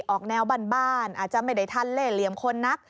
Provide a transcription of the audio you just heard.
ออกแนวบ้านอาจจะไม่ได้ทันเล่เหลี่ยมคนนัก